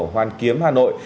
hoàn kiếm hà nội